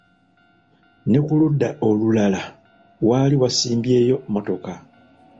Ne kuludda olulala, waali wasimbyeyo mmotoka.